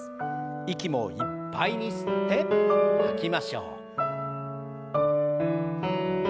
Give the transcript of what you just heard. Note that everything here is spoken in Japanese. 息もいっぱいに吸って吐きましょう。